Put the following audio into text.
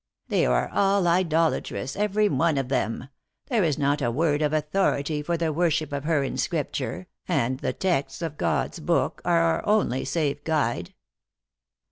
"They are all idolatrous, every one of them. There is not a word of authority for the worship of her in Scripture, and the texts of God s book are our only safe guide."